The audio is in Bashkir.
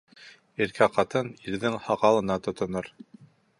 Иркә ҡатын ирҙең һаҡалына тотонор.